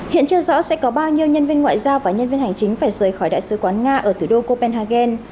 hiện chưa rõ sẽ có bao nhiêu nhân viên ngoại giao và nhân viên hành chính phải rời khỏi đại sứ quán nga ở thủ đô copenhagen